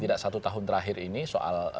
tidak satu tahun terakhir ini soal